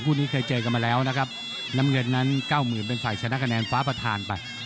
คู่นี้เคยเจอกันมาแล้วนะครับน้ำเงินนั้นเก้าหมื่นเป็นฝ่ายชนะคะแนนฟ้าประธานไป